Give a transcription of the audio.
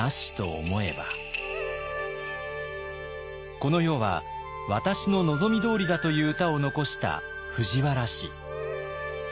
「この世は私の望みどおりだ」という歌を残した藤原氏。